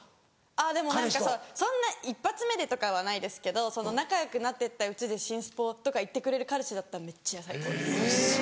あぁでもそんな一発目でとかはないですけど仲よくなってったうちで心スポとか行ってくれる彼氏だったらめっちゃ最高です。